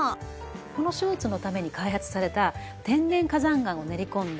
このショーツのために開発された天然火山岩を練り込んだ